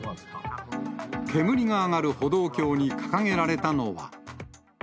煙が上がる歩道橋に掲げられたのは。